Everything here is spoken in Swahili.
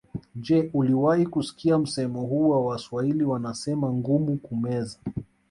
Je uliwahi kusikia msemo huu wa Waswahili wanasema ngumu kumeza